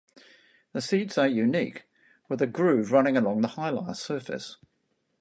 The seeds are unique, with a groove running along the hilar surface.